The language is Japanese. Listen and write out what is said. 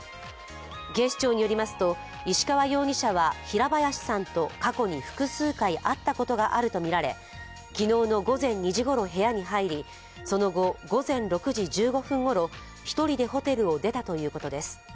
警視庁によりますと、石川容疑者は平林さんと過去に複数回会ったことがあるとみられ、昨日の午前２時ごろ部屋に入りその後、午前６時１５分ごろ、１人でホテルを出たということです。